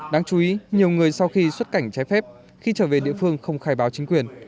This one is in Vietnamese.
đáng chú ý nhiều người sau khi xuất cảnh trái phép khi trở về địa phương không khai báo chính quyền